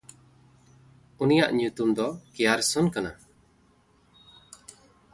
ᱩᱱᱤᱭᱟᱜ ᱧᱩᱛᱩᱢ ᱫᱚ ᱠᱮᱭᱟᱨᱥᱚᱱ ᱠᱟᱱᱟ᱾